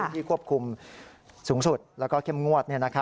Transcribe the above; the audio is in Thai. ที่ควบคุมสูงสุดแล้วก็เข้มงวด